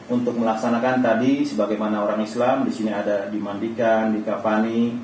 untuk melaksanakan tadi sebagaimana orang islam disini ada dimandikan